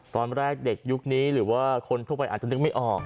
ตอนแรกเด็กยุคนี้หรือว่าคนทั่วไปอาจจะนึกไม่ออก